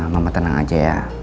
mama tenang aja ya